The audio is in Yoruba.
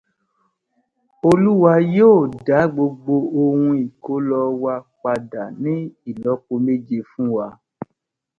Olúwa yóò dá gbogbo ohun ìkólọ wa padà ní ilọ́po méje fún wa